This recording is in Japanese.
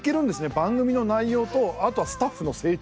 番組の内容とあとはスタッフの成長。